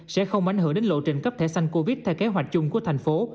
sẽ không ảnh hưởng đến lộ trình cấp thể sanh covid theo kế hoạch chung của thành phố